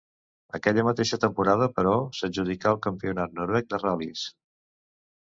Aquella mateixa temporada, però, s'adjudicà el Campionat noruec de ral·lis.